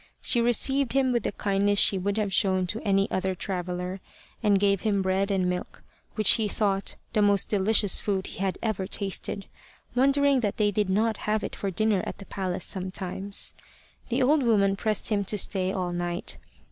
She received him with the kindness she would have shown to any other traveller, and gave him bread and milk, which he thought the most delicious food he had ever tasted, wondering that they did not have it for dinner at the palace sometimes. The old woman pressed him to stay all night.